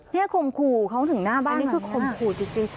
เนี้ยกลงคู่เค้าถึงหน้าบ้านเปล่าันนี้คือกลงคู่จริงจริง